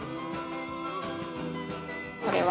これは。